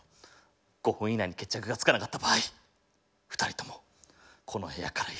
５分以内に決着がつかなかった場合２人ともこの部屋から一生出ることはできない」。